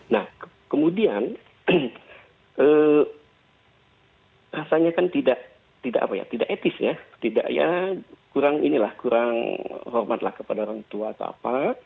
nah kemudian rasanya kan tidak etis ya kurang hormat kepada orang tua atau apa